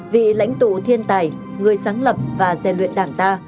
vị lãnh tụ thiên tài người sáng lập và gian luyện đảng ta